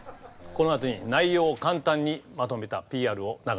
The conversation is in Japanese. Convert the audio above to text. このあとに内容を簡単にまとめたＰＲを流します。